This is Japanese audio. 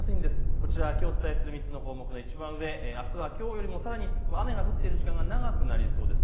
こちらきょうお伝えする３つの項目のいちばん上、あすはきょうよりもさらに雨が降っている時間が長くなりそうです。